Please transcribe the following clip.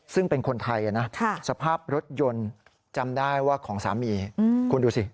ซึ่งเป็นคนไทยนะสภาพรถยนต์จำได้ว่าของสามีคุณดูสิ